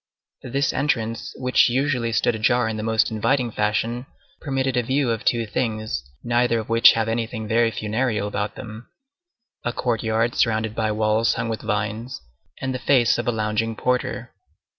This entrance, which usually stood ajar in the most inviting fashion, permitted a view of two things, neither of which have anything very funereal about them,—a courtyard surrounded by walls hung with vines, and the face of a lounging porter.